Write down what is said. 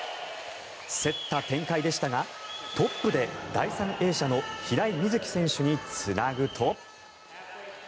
競った展開でしたがトップで第３泳者の平井瑞希選手につなぐと。